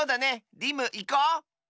リムいこう！